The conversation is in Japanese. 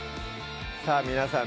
さぁ皆さん